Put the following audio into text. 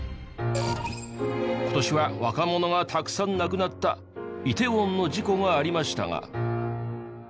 今年は若者がたくさん亡くなった梨泰院の事故がありましたが。